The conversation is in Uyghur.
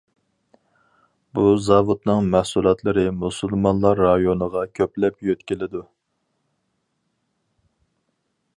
بۇ زاۋۇتنىڭ مەھسۇلاتلىرى مۇسۇلمانلار رايونىغا كۆپلەپ يۆتكىلىدۇ.